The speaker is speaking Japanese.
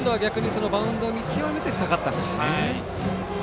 バウンドを見極めて下がったんですね。